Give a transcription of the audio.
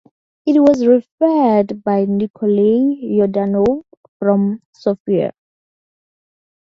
It was refereed by Nikolay Yordanov from Sofia.